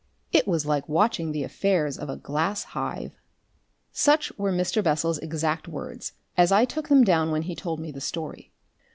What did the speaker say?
It was like watching the affairs of a glass hive." Such were Mr. Bessel's exact words as I took them down when he told me the story.